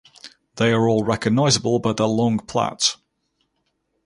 They are all recognizable by their long plaits.